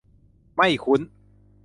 ไม่คุ้น